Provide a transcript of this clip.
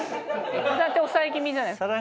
いつだって抑え気味じゃないですか。